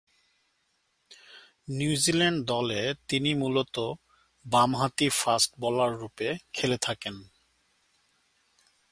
New Zealand দলে তিনি মূলতঃ বামহাতি ফাস্ট বোলাররূপে খেলে থাকেন।